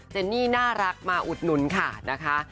เนนี่น่ารักมาอุดหนุนค่ะนะคะ